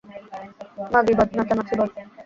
মাগি বাদ, নাচানাচি বাদ।